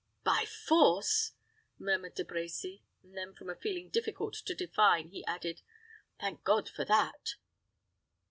"By force!" murmured De Brecy; and then from a feeling difficult to define, he added, "thank God for that!"